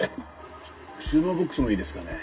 「収納ボックスもいいですかね？」。